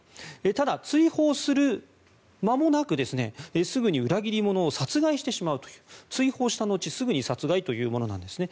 ただ、追放する間もなくすぐに裏切り者を殺害してしまうという追放した後すぐに殺害というものなんですね。